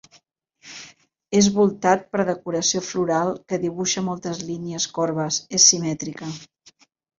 És voltat per decoració floral que dibuixa moltes línies corbes, és simètrica.